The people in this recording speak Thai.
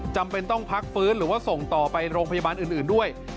จำเป็นต้องพักฟื้นหรือว่าส่งต่อไปโรงพยาบาลอื่นด้วย